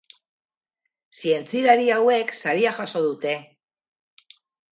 Zientzialari hauek saria jaso dute.